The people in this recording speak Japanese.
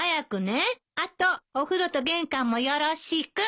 あとお風呂と玄関もよろしく。